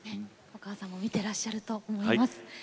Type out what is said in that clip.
お母さんも見てらっしゃると思います。